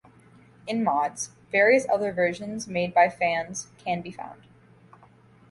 In mods, various other versions made by fans can be found.